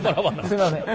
すいません。